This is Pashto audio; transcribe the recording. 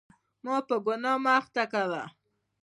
ما په ګناه مه اخته کوه.